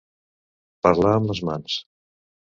Parlar amb les mans.